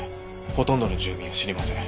ほとんどの住民を知りません。